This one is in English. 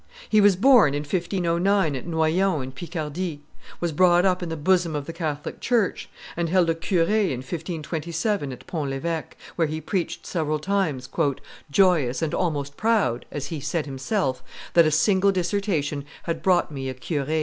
He was born, in 1509 at Noyon in Picardy, was brought up in the bosom of the Catholic church, and held a cure in 1527 at Pont l'Eveque, where he preached several times, "joyous and almost proud," as he said himself, "that a single dissertation had brought me a cure."